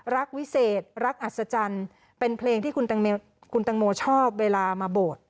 วิเศษรักอัศจรรย์เป็นเพลงที่คุณตังโมชอบเวลามาโบสถ์